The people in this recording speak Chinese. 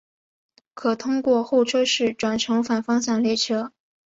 可通过候车室转乘反方向列车。